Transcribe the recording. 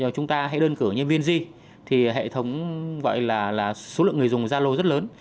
chúng ta hãy đơn cử như vng thì hệ thống gọi là số lượng người dùng gia lô rất lớn